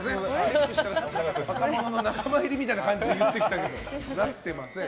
若者の仲間入りみたいな感じで言ってきたけどなっていません。